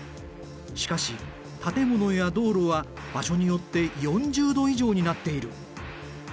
しかし建物や道路は場所によって４０℃以上になっている。